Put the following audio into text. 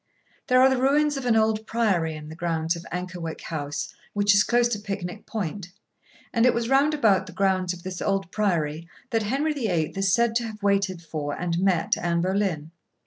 There are the ruins of an old priory in the grounds of Ankerwyke House, which is close to Picnic Point, and it was round about the grounds of this old priory that Henry VIII. is said to have waited for and met Anne Boleyn.